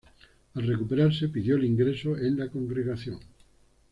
Al recuperarse pidió el ingreso en la congregación.